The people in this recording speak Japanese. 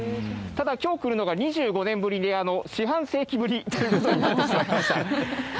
ただ、きょう来るのが２５年ぶりで、四半世紀ぶりということになってしまいました。